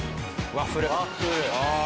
ワッフル。